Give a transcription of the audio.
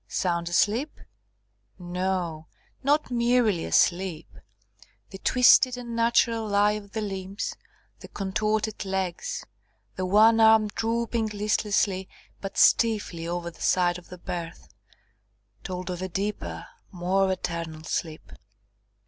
Sound asleep? No, not merely asleep the twisted unnatural lie of the limbs, the contorted legs, the one arm drooping listlessly but stiffly over the side of the berth, told of a deeper, more eternal sleep.